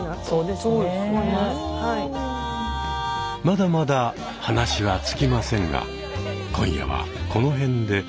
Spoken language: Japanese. まだまだ話は尽きませんが今夜はこの辺で。